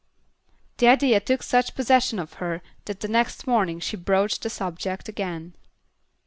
The idea took such possession of her that the next morning she broached the subject again.